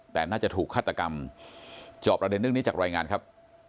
แต่น่าจะถูกฆาตกรรมจอบประเด็นเรื่องนี้จากรายงานครับ